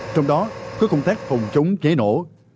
trong đó có công tác phòng chống cháy nổ